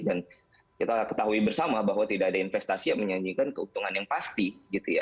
dan kita ketahui bersama bahwa tidak ada investasi yang menyanyikan keuntungan yang pasti gitu ya